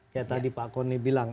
ya tadi pak koni bilang